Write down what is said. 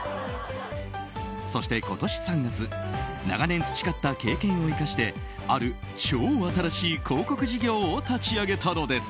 そして今年３月長年培った経験を生かしてある超新しい広告事業を立ち上げたのです。